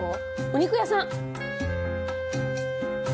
お肉屋さん。